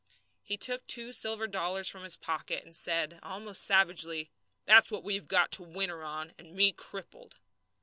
He took two silver dollars from his pocket, and said, almost savagely, "There's what we've got to winter on, and me crippled."